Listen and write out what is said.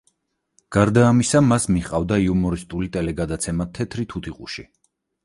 გარდა ამისა, მას მიჰყავდა იუმორისტული ტელეგადაცემა „თეთრი თუთიყუში“.